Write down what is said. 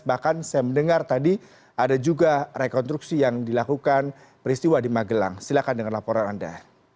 bahkan saya mendengar tadi ada juga rekonstruksi yang dilakukan peristiwa di magelang silahkan dengan laporan anda